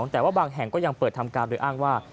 แต่ว่าบางแห่งก็ยังเปิดทำการโดยอ้างว่า